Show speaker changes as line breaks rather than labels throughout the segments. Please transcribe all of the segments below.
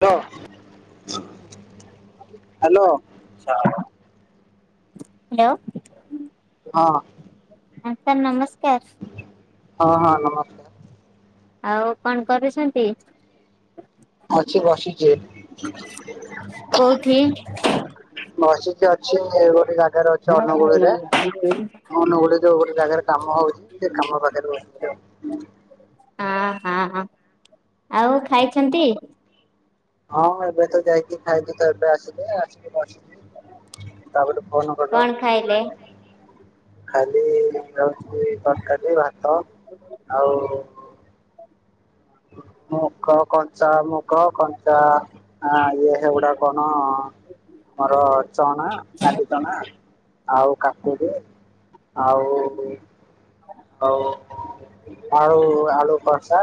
Hello hello.
ଛାଡ଼। Hello.
ହଁ।
[inaudible] ନମସ୍କାର।
ହଁ ହଁ ନମସ୍କାର।
ଆଉ କଣ କରୁଛନ୍ତି?
ଅଛି ବସିିଛି।
କୋଉଠି?
ବସିକି ଅଛି ଏ ଗୋଟେ ଜାଗାରେ ଅଛି ଅନୁଗୁଳୁରେ।
ହ
ଯୋଉ ଗୋଟେ ଜାଗାରେ କାମ ହଉଛି ସେ କାମ ପାଖରେ ବସିଛି ଆଉ
ହଁ ହଁ ହ ଆଉ ଖାଇଛନ୍ତି?
ହଁ ଏବେ ତ ଯାଇକି ଖାଇଦୁ ତ ଏବେ ଆସିଲେ ଆସିକି ବସି ତାପରେ କନ କରିଲ?
କଣ ଖାଇଲେ?
ଖାଲି ରହୁଛି ତରକାରୀ ଭାତ ଆଉ ମୁଖ କଞ୍ଚା ମୁଖ କଞ୍ଚା ହଁ ଇଏ ହେଗୁଡା କଣ ଆମର ଚଣା ଆ ଆଉ କାକୁଡି ଆଉ ହଉ ଆଳୁ ଆଳୁ ଖସା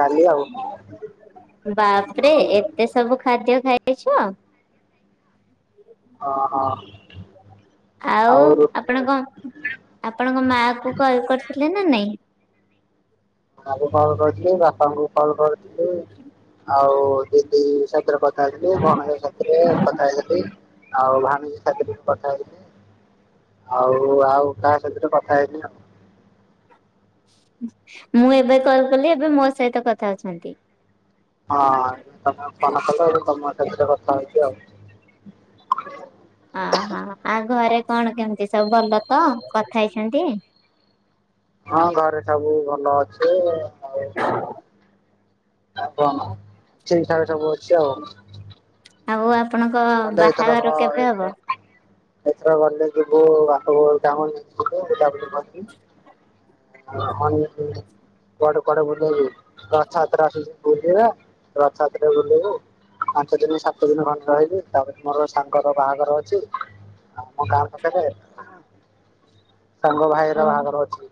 ଡାଲି ଆଉ
ବାପରେ ଏତେ ସବୁ ଖାଦ୍ୟ ଖାଇଛ
ହ ହଁ।
ଆଉ ଆପଣଙ୍କ ଆପଣଙ୍କ ମା କୁ କଲ କରିଥିଲେ ନା ନାଇଁ?
ମାଙ୍କୁ କଲ କରିୁଥିଲି ବାପାଙ୍କୁ କଲ କରିୁଥିଲି ଆଉ ଦଡିଥିରେ ପକେଇଥିଲି ଭଉଣ ସରେ ପକେଇଥିଲ? ଆଉ ଭଣଜ ସାଥିରେ ଟିକେ କଥା ହେଇ ଆଉ ଆଉ କାହା ସେଥିରେ କଥା ହେଇନି ଆଉ
ମୁଁ ଏବେ କଲ କଲି ଏବେ ମୋ ସହିତ କଥା ଅଛନ୍ତି।
ହଁ ତମେ ମନ କ ତମ ସେଥିରେ କଥା ହଉଛି ଆଉ
ଓହୋ ଆଉ ଘରେ କଣ କେମିତି ସବୁ ଭଲ ତ କଥା ହେଇଛନ୍ତି।
ହଁ ଘରେ ସବୁ ଭଲ ଅଛି ଆଉ ହ ହ ଠିକ ସବୁ ଅଛି ଆଉ।
ଆଉ ଆପଣଙ୍କ
ଗଲେ ଏଥରକ
ବାହାଘର କେବେ
ଏଇଥର
ହବ?
ଏଥର ଗଲେେ ଯିବୁ କାମି କଆଡେ କଆଡେ ବୁଲେଇବଛାତ ବ ଛାତି ଟା ପାଞ୍ଚ ଦିନ ସାତ ଦିନ ଖଣ୍ଡେ ରହିବି ତାପ ମୋର ସାଙ୍ଗର ବାହାଘର ଅଛି। ଆଉ ମୋ ଗାଁ ଖଟକେ ସାଙ୍ଗ
ଓ
ଭାଇର ବାହାଘର ଅଛି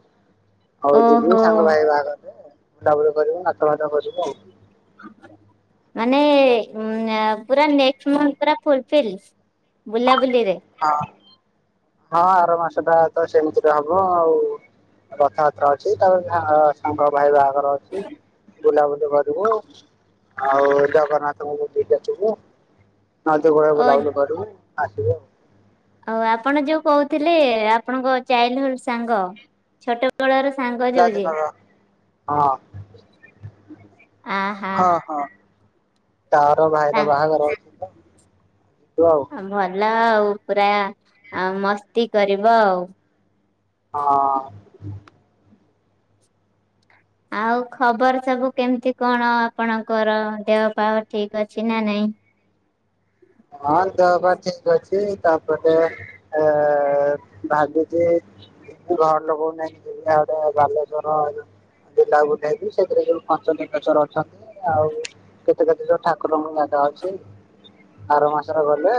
ହଉ ଯିବୁ
ଓହୋ
ସାଙ୍ଗ ଭାଇ ବାହାଘରରେ। ବୁଲାବୁଲି କରିବୁ ନାଛ ବାାତ କରିବୁ ଆଉ।
ଆମେ ନେଟ ମନ୍ଥ ଟା ଫୁଲ ଫାଇଲ୍ ବୁଲା ବୁଲିରେ
ହଁ ହଁ ଆର ମାସଟା ତ ସେମିତିରେ ହବ ଆଉ। ରଥଯାତ୍ରା ଅଛି ତାପ ସାଙ୍ଗ ଭାଇ ବାହାଘର ଅଛି ବୁଲାବୁଲି କର। ଆଉ ଜଗନ୍ନାଥଙ୍କୁ ପାଖକୁ ଯିବୁ। ବୁଲା
ଓ
ବୁଲି କରିବୁ ଆସିବୁ।
ଆଉ ଆପଣ ଯୋଉ କହୁଥିଲେ ଆପଣଙ୍କ ଚାଇଲଡହୁଡ ସାଙ୍ଗ ଛୋଟ ଛୋଟ ବେଳର ସାଙ୍ଗ ଯୋଉ ଯିଏ
ଦିନର ହଁ।
ହଁ ହଁ
ତାର ଭାଇର ବାହାଘର ଅଛୁ ଆଉ
ଭଲ ଆଉ ପୁରା ମସ୍ତି କରିବ ଆଉ।
ହଁ।
ଆଉ ଖବର ସବୁ କେମତି କଣ ଆପଣଙ୍କର ଦେହ ପାହ ଠିକ ଅଛି ନା ନାଇଁ।
ହଁ ଦେହବାର ଠିକ ଅଛି ତାପରେ। ଆ ଆ ଭାବିଛି। ଘର ଲୋକଉ ନାହିଁ ଗଡେ ବାଲେଶ୍ଵର ବେଲା ଉଧେଇକି ସେଥିରେ ଯୋଉ ପଞ୍ଚ ଲିଙ୍ଗଶ୍ବର ଅଛନ୍ତି। ଆଉ କେତେ କେତେ ଯୋଉ ଠାକୁର ଜାଗା ଅଛି। ଆର ମାସରେ ଗଲେ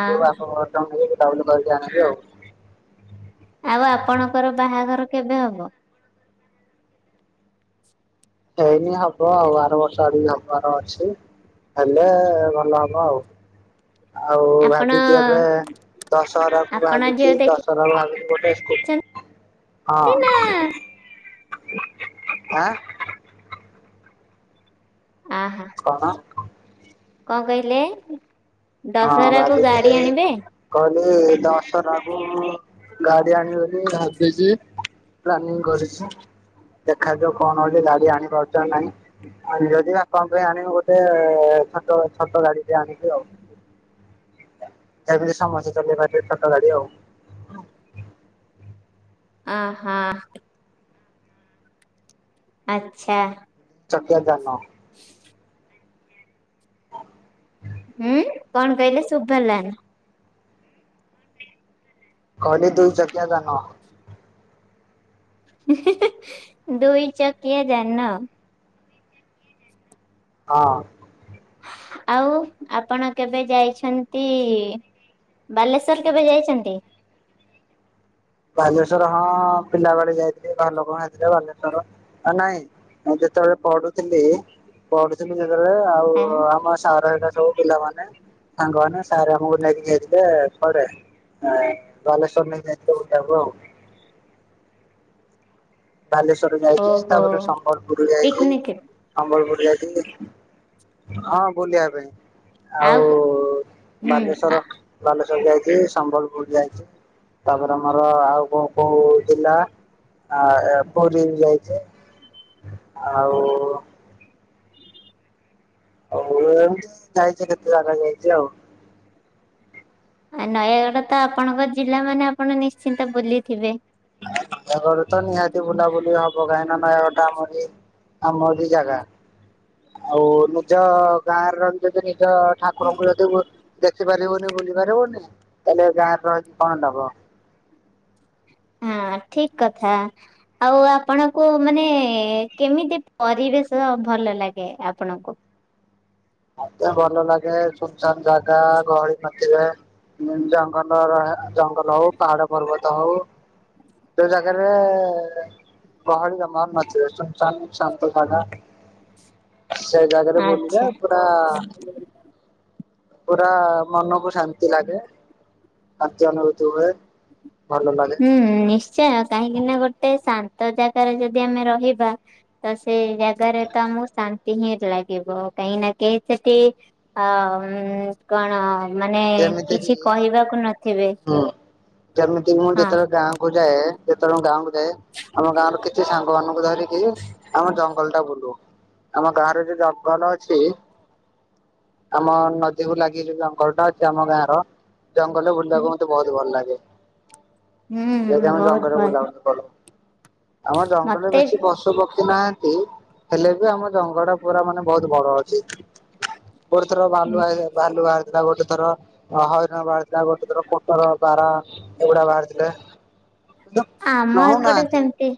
ଆ
ବାପ [unintelligible] ନେଇକି ବୁଲାବୁଲି କରିକି ଆଣିବି ଆଉ।
ଆଉ ଆପଣଙ୍କର ବାହାଘର କେବେ ହବ?
ଏଇନି ହବ ଆଉ ଆର ବର୍ଷ ଆଡ଼କୁ ହବାର ଅଛି ହେଲେ ଭଲ ହବ ଆଉ। ଆଉ
ଆପଣ
ଭାବୁଚି ଏବେ ଦଶହରାକୁ
ଆପଣ
ଭାବୁଚି
ଝିଅ
ଦଶ
ଦେଖିଛନ୍ତି
ଦଶହରାକୁ ଭାବୁଚି ଗୋଟେ ସ୍କୁ ହଁ ଆଁ?
ଓହୋ।
କଣ?
କଣ କହିଲେ ଦଶହରାକୁ ଗାଡ଼ି ଆଣିବେ?
କହିଲେ ଦଶହରାକୁ ଗାଡ଼ି ଆଣିବେ ବୋଲି ଭାବିଚି। ପ୍ଲାନିଂ କରିଚି ଦେଖାଯାଉ କଣ ହଉଚି ଗାଡ଼ି ଆଣିପାରୁଚିନା ନାହିଁ। ଆଣିମି ଯଦି ବାପାଙ୍କ ପାଇଁ ଆଣିବି ଗୋଟେ ଛଟ ଛୋଟ ଗାଡ଼ିଟେ ଆଣିବି ଆଉ। ଯେମିତି ସମସ୍ତେ ଚଲେଇ ପାରିବେ ଛୋଟ ଗାଡ଼ି ଆଉ।
ଅଁହଁ। ଆଚ୍ଛା।
ଚକିଆ ଜାନ
[inaudible] ଉଁ କଣ କହିଲେ ଶୁଭିଲାନି।
କହିଲି ଦୁଇଚକିଆ ଯାନ।
ହୁ ହୁ ଦୁଇ ଚକିଆ ଜାନ।
ହଁ।
ଆଉ ଆପଣ କେବେ ଯାଇଛନ୍ତି? ବାଲେଶ୍ଵର କେବେ ଯାଇଚନ୍ତି?
ବାଲେଶ୍ଵର ହଁ ପିଲା ବେଳେ ଯାଇଥିଲି ବାଲୋକଣ ହେଇଥିଲା ବାଲେଶ୍ଵର ଆ ନାଇଁ। ମୁଁ ଯେତେବେଳେ ପଢୁଥିଲି ପଢୁଥିଲି ଯେତେବେଳେ ଆଉ
ଆଁ
ଆମ ସାର୍ ହେଲା ସବୁ ପିଲାମାନେ ସାଙ୍ଗମାନେ ସାର୍ ଆମକୁ ନେଇକି ଯାଇଥିଲେ ଥରେ। ଅଁ ବାଲେଶ୍ୱର ନେଇକି ଯାଇଥିଲେ ବୁଲିବାକୁ ଆଉ। ବାଲେଶ୍ଵର ଯାଇଚି
ଓହୋ
ତାପରେ ସମ୍ବଲପୁର ଯାଇଚି।
ପିକନିକ
ସମ୍ବଲପୁର ଯାଇଥିଲି ହଁ ବୁଲିବା ପାଇଁ। ଆଉ
ହୁଁ
ବାଲେଶ୍ଵର
ଆ
ବାଲେଶ୍ଵର ଯାଇଚି ସମ୍ବଲପୁର ଯାଇଚି ତାପରେ ଆମର ଆଉ କ ପୋଉଜିଲା ଆ ପୁରୀବି ଯାଇଚି। ଆଉ
[inaudible]
ଆଉ ଯାଇଥିଲି କେତେ ଜାଗା ଯାଇଚି ଆଉ।
ଆ ନୟାଗଡ଼ତ ଆପଣଙ୍କ ଜିଲ୍ଲା ମାନେ ଆପଣ ନିଶ୍ଚିନ୍ତ ବୁଲିଥିବେ?
ନୟାଗଡ଼ତ ନିହାତି ବୁଲା ବୁଲି ହବ କାହିଁକିନା ନୟାଗଡଟା ଆମରି ଆମରି ଜାଗା ଆଉ ନିଜ ଗାଁ ର ଯେଦି ନିଜ ଠାକୁରଙ୍କୁ ଯଦି ଦେଖିପାରିବୁ ବୁଲି ପାରିବୁନି ତାହେଲେ ଏଗାଁରେ ରହିକି କଣ ଲାଭ।
ହୁଁ ଠିକ୍ କଥା। ଆଉ ଆପଣଙ୍କୁ ମାନେ କେମିତି ପରିବେଶ ଭଲ ଲାଗେ ଆପଣଙ୍କୁ?
ମତେ ଭଲ ଲାଗେ ସୁନସାନ୍ ଜାଗା ଗହଳି ନଥିବେ। ଜଙ୍ଗଲର ହେ ଜଙ୍ଗଲ ହଉ ପାହାଡ ପର୍ବତ ହଉ। ଯୋଉ ଜାଗାରେ ଗହଳି ନ [unintelligible] ନଥିବେ ଚୁପଚାପ୍ ଶାନ୍ତ ଜାଗା, ସେଇ ଜାଗାରେ ବୁଲିଲେ ପୁରା
ହ [unintelligible]
ପୁରା ମନକୁ ଶାନ୍ତି ଲାଗେ, ଶାନ୍ତି ଅନୁଭୂତି ହୁଏ ଭଲ ଲାଗେ।
ହୁଁ ଉଁ ନିଶ୍ଚୟ, କାହିଁକି ନା ଗୋଟେ ଶାନ୍ତ ଜାଗାରେ ଯଦି ଆମେ ରହିବା ତ ସେ ଜାଗାରେ ତ ଆମକୁ ଶାନ୍ତି ହିଁ ଲାଗିବ କାହିଁକି ନା କେହି ସେଠି ହଁଅ କଣ ମାନେ
ଯେମିତି କିି
କିଛି କହିବାକୁ ନଥିବେ।
ହୁଁ ଯେମିତି ମୁଁ
ହଁ
ଯେତେବେଳେ ଗାଁକୁୁ ଯାଏ। ଯେତେବେଳେ ମୁଁ ଗାଆଁକୁ ଯାଏ ଆମ ଗାଆଁରୁ କିଛି ସାଙ୍ଗ ମାନଙ୍କୁ ଧରିକି ଆମ ଜଙ୍ଗଲଟା ବୁଲୁ। ଆମ ଗାଆଁରେ ଯୋଉ ଜଙ୍ଗଲ ଅଛି ଆମ ନଦୀକୁ ଲାଗିକି ଯୋଉ ଜଙ୍ଗଲଟା ଅ ସେ ଆମ ଗାଁଆର ଜଙ୍ଗଲରେ ବୁଲିବାକୁ ମତେ ବହୁତ ଭଲ ଲାଗେ।
ହୁଁ
ସେଇଥିପାଇଁ ଆମେ
ବହୁତ
ଜଙ୍ଗଲରେ
ଭଲ
ବୁଲାବୁଲି କରୁ। ଆମ ଜଙ୍ଗଲରେ
ମତେ
ବେଶୀ ପଶୁ ପକ୍ଷୀ ନାହାନ୍ତି ହେଲେ ବି ଆମ ଜଙ୍ଗଲଟା ପୁରା ମାନେ ବହୁତ ବଡ ଅଛି ଗୋଟେ ଥର ଭାଲୁ ଆଇଲା, ଭାଲୁ ବାହାରିଥିଲା ଗୋଟେ। ଗୋଟେ ଥର ହରିଣ ବାହାରିଥିଲା ଗୋଟେ ଥର କୋଟର। ବାରହା ଏଗୁଡା ବାହାରିଥିଲା, କିନ୍ତୁ
ଆମ ଏପଟେ
ରହୁନାହାନ୍ତି।
ସେମିତି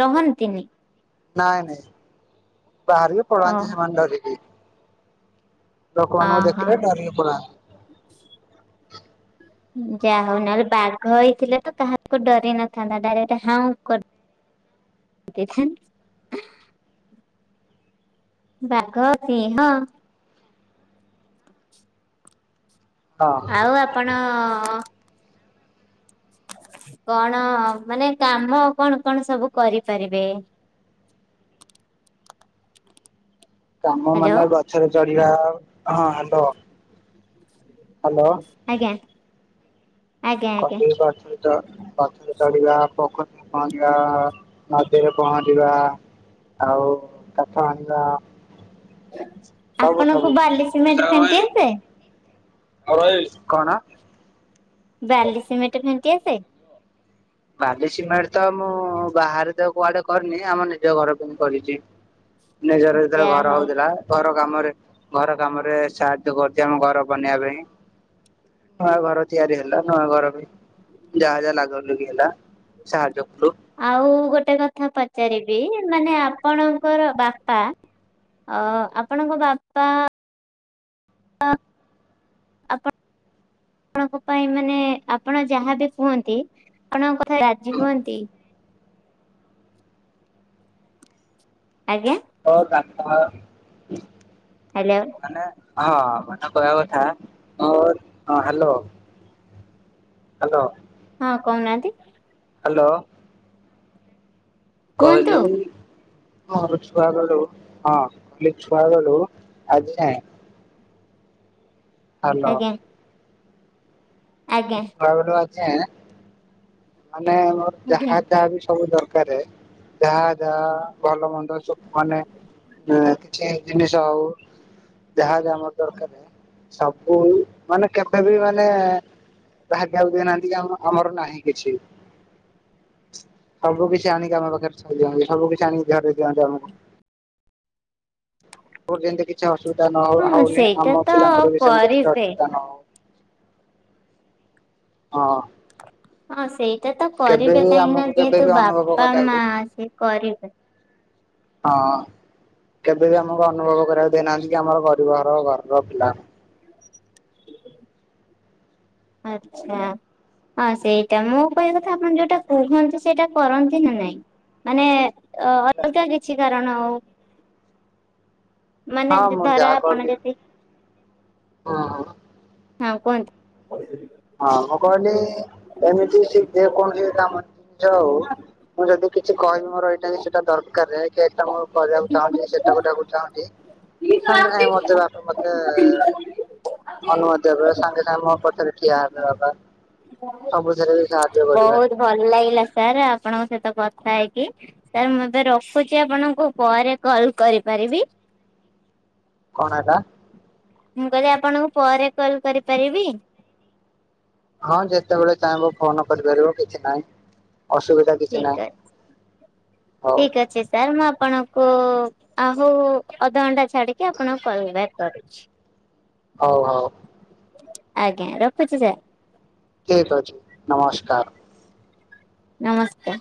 ରହନ୍ତିନି।
ନାଇଁ ନାଇଁ ବାହାରିକି
ଓ
ପଳାନ୍ତି ସେମାନେ ଡରିକି। ଲୋକମାନଙ୍କୁ
ଓହୋ
ଦେଖିଲେ ଡରିକି ପୁରା
ଯାହା ହଉ ନହେଲେ ବାଘ ହେଇଥିଲେ ତ କାହାକୁ ଡରି ନଥାନ୍ତା ଡାଇରେକ୍ଟ ହାଉଁ କରି କେଜାଣି ବାଘ ସିଂହ।
ହଁ
ଆଉ ଆପଣ କଣ ମାନେ କାମ କଣ କଣ ସବୁ କରିପାରିବେ?
କାମ
ହ୍ୟାଲୋ
ମାନେ ଗଛରେ ଚଢିବା ହଁ ହ୍ୟାଲୋ। ହ୍ୟାଲୋ?
ଆଜ୍ଞା। ଆଜ୍ଞା ଆଜ୍ଞା
କଟିଗଲା, ଅଛନ୍ତି। ତ ଗଛରେ ଚଢିବା, ପୋଖରୀରେ ପହଁରିବା, ନଦୀରେ ପହଁରିବା ଆଉ କାଠ ହାଣିବା, ସବୁ
ଆପଣଙ୍କୁ
ସବୁ।
ବାଲି ସିମେଣ୍ଟ ଫେଣ୍ଟି ଆସେ?
କଣ?
ବାଲି ସିମେଣ୍ଟ ଫେଣ୍ଟି ଆସେ?
ବାଲି ସିମେଣ୍ଟ ତ ମୁଁ ବାହାରେ ତ କୁଆଡେ କରିନି ଆମ ନିଜ ଘର ପାଇଁ କରିଛି। ନିଜର ଯେତେବେଳେ
ଯାହା
ଘର
ହଉ
ହଉଥିଲା। ଘର କାମରେ, ଘର କାମରେ ସାହାଯ୍ୟ କରିଛି ଆମ ଘର ବନେଇବା ପାଇଁ। ନୂଆ ଘର ତିଆରି ହେଲା ନୂଆ ଘର ବି ଯାହା ଯାହା ଲାଗଲୁଗି ହେଲା, ସାହାଯ୍ୟ କରୁ।
ଆଉ ଗୋଟେ କଥା ପଚାରିବି ମାନେ ଆପଣଙ୍କର ବାପା ଅ-ଅ ଆପଣଙ୍କ ବାପା ଆପଣଙ୍କ ପାଇଁ ମାନେ ଆପଣ ଯାହାବି କୁହନ୍ତି ଆପଣଙ୍କ କଥାରେ ରାଜି ହୁଅନ୍ତି? ଆଜ୍ଞା?
ଅଅ ତାଙ୍କର
ହ୍ୟାଲୋ?
ମାନେ ହଁ ମାନେ କହିବା କଥା ହ୍ୟାଲୋ ହ୍ୟାଲୋ
ହଁ କହୁନାହାନ୍ତି
ହାଲୋ।
କୁହନ୍ତୁ
କହିଲି। ହଁ ଛୁଆ ବେଳୁ ହଁ ଛୁଆ ବେଳୁ ଆଜି ଯାଏ ହ୍ୟାଲୋ
ଆଜ୍ଞା। ଆଜ୍ଞା
ଛୁଆ ବେଳୁ ଆଜି ଯାଏ ମାନେ ମୋର
ଆଜ୍ଞା
ଯାହା ଯାହା ବି ସବୁ ଦରକାର। ଯାହା ଯାହା ଭଲ ମନ୍ଦ ମାନେ ସେ ଜିନିଷ ଆଉ ଯାହା ଆମର ଦରକାର ସବୁ ମାନେ କେବେ ବି ମାନେ ଭାବିବାକୁ ଦେଇନାହାନ୍ତି କି ଆମର ନାହିଁ କିଛି। ସବୁ କିଛି ଆଣିକି ଆମ ପାଖରେ ଥୋଇ ଦିଅନ୍ତି ସବୁ କିଛି ଆଣିକି ଧରେଇ ଦିଅନ୍ତି ଆମକୁ ମୋର ଯେମିତି କିଛି ଅସୁବିଧା
ହଁ
ହଉନି
ସେଇଟା
ଆମ
ତ
ପିଲାଙ୍କର ବି ସେମତି କିଛି
କରିବେ
ଅସୁବିଧା ନ ହଉ। ହଁ
ହଁ ସେଇଟା ତ
କେବେ
କରିବେ
ବି
କାହିଁକି ନା
ଆମକୁ କେବେ
ଯେହେତୁ
ବି ଅନୁଭବ
ବାପା
କରିବାକୁ
ମା ସେ କରିବେ।
ହଁ କେବେ ବି ଆମକୁ ଅନୁଭବ କରିବାକୁ ଦେଇନାହାନ୍ତି କି ଆମର ଗରିବ ଘରର ପିଲା।
ଆଚ୍ଛା। ହଁ ସେଇଟା ମୁଁ କହିବା କଥା ଆପଣ ଯୋଉଟା କୁହନ୍ତି ସେଇଟା କରନ୍ତି ନା ନାଇଁ? ମାନେ ଅଲଗା କିଛି କାରଣ ଆଉ
ହଁ ମୁଁ
ଧର
ଯାହା
ଆପଣ
କରେ
ଯଦି ହଁ କୁହନ୍ତୁ
ହଁ ମୁଁ କହିଲି ଏମିତି ଯେକୌଣସି କାମ ଜିନିଷ ହଉ ମୁଁ ଯଦି କିଛି କହିବି ମୋର ଏଇଟା କି ସେଇଟା ଦରକାର ଏଟା ମୁଁ କରିବାକୁ ଚାହୁଁଛି ସେଟା କରିବାକୁ ଚାହୁଁଛି ସାଙ୍ଗେ ସାଙ୍ଗେ ମତେ ବାପା ମତେ ଅନୁମତି ଦେବେ ସାଙ୍ଗେ ସାଙ୍ଗେ ମୋ ପଛରେ ଠିଆ ହେବେ ବାପା ସବୁଥିରେ ବି ସାହାଯ୍ୟ କରିବେ।
ବହୁତ ଭଲ ଲାଗିଲା ସାର୍ ଆପଣଙ୍କ ସହିତ କଥା ହେଇକି ସାର୍ ମୁଁ ଏବେ ରଖୁଛି ରଖୁଛି ଆପଣଙ୍କୁ ପରେ କଲ କରିପାରିବି।
କଣ ହେଲା?
ମୁଁ କହିଲି ଆପଣଙ୍କୁ ପରେ କଲ କରିପାରିବି?
ହଁ ଯେତେବେଳେ ଚାହିଁବ ଫୋନ କରିପାରିବ କିଛି ନାହିଁ ଅସୁବିଧା କିଛି ନାହିଁ
ଠିକ ଅଛି
ହଉ
ଠିକ ଅଛି। ସାର୍ ମୁଁ ଆପଣଙ୍କୁ ଆଉ ଅଧଘଣ୍ଟା ଛାଡିକି ଆପଣଙ୍କୁ କଲ ବ୍ୟାକ୍ କରୁଛି। [inaudible]
ହଉ ହଉ
ଆଜ୍ଞା ରଖୁଛି ସାର୍
ଠିକ ଅଛି ନମସ୍କାର
ନମସ୍କାର।